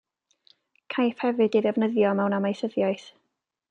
Caiff hefyd ei ddefnyddio mewn amaethyddiaeth.